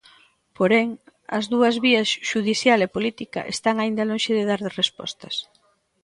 Porén, as dúas vías, xudicial e política, están aínda lonxe de dar respostas.